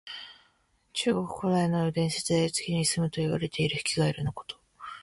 中国古代の伝説で、月にすむといわれるヒキガエルのこと。